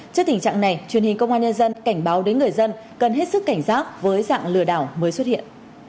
trước tình trạng này truyền hình công an nhân dân cảnh báo đến người dân cần hết sức cảnh giác với dạng lừa đảo mới xuất hiện